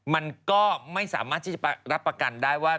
มันก็ไม่สามารถที่จะรับประกันได้ว่า